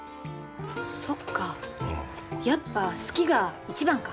そっかやっぱ好きが一番か。